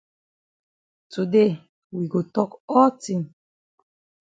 Today we go tok all tin.